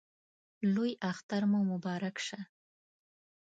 لوی اختر مو مبارک شه